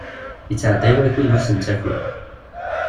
Yettɛedday wakud ur s-nettaki.